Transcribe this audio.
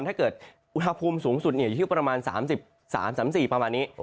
ถ้าเกิดอุณหภูมิสูงสุดอยู่ที่ประมาณ๓๓๔ประมาณนี้